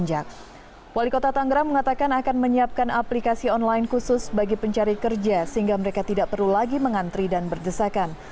bursa kerja ini akan menyiapkan aplikasi online khusus bagi pencari kerja sehingga mereka tidak perlu lagi mengantri dan berdesakan